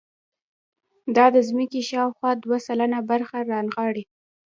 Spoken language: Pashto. دا د ځمکې شاوخوا دوه سلنه برخه رانغاړي.